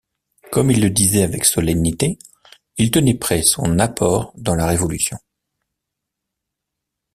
Comme il le disait avec solennité, il tenait prêt son apport dans la révolution.